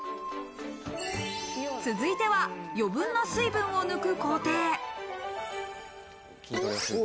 続いては余分な水分を抜く工程。